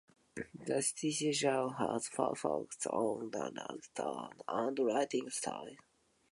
The criticism has focused on Slater's research methods and writing style.